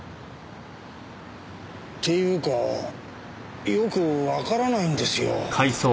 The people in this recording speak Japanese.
っていうかよくわからないんですよ。